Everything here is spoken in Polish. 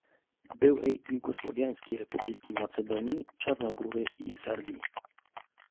Byłej Jugosłowiańskiej Republiki Macedonii, Czarnogóry i Serbii